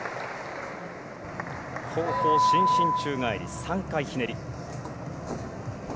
後方伸身宙返り、３回ひねり。